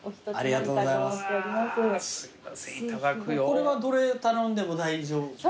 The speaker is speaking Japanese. これはどれ頼んでも大丈夫ですか？